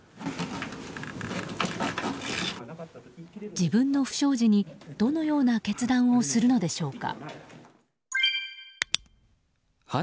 自分の不祥事にどのような決断をするのでしょうか。